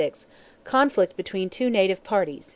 Conflict between two native parties.